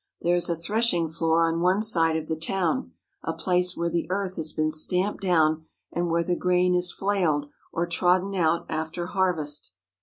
There is a threshing floor on one side of the town, a place where the earth has been stamped down and where the grain is flailed or trod den out after harvest.